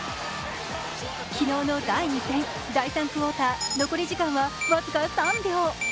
昨日の第２戦、第３クオーター、残り時間は僅か３秒。